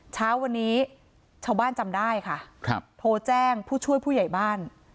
เช้าวันนี้ชาวบ้านจำได้ค่ะครับโทรแจ้งผู้ช่วยผู้ใหญ่บ้าน